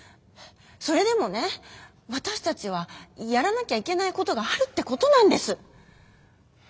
それでもね私たちはやらなきゃいけないことがあるってことなんです！